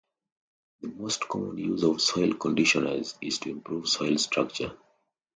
The most common use of soil conditioners is to improve soil structure.